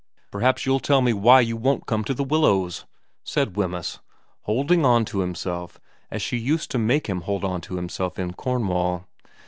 ' Perhaps you'll tell me why you won't come to The Willows,' said Wemyss, holding on to himself as she used to make him hold on to himself in Cornwall.